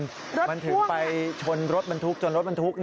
โอ้โหวินาทจริงจริงจริงครับคุณผู้ชมมันเก่งเสร็จแล้วหลังจากนั้นอีกหกคันค่ะ